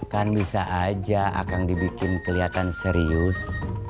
kan bisa aja akan dibikin kelihatan serius